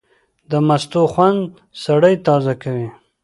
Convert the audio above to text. د مستو خوند سړی تازه کوي.